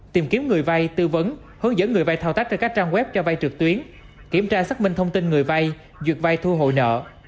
tìm kiếm người vai tư vấn hướng dẫn người vai thao tác trên các trang web cho vây trực tuyến kiểm tra xác minh thông tin người vai duyệt vai thu hội nợ